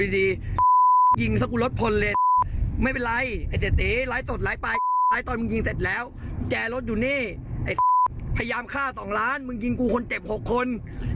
ดูนี่ไอ้พยายามฆ่าสองล้านมึงยิงกูคนเจ็บหกคน